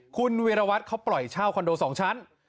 คุณวีอนเขาไปช่าคอนโดสองชั้น